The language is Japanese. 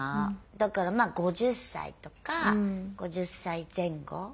だからまあ５０歳とか５０歳前後。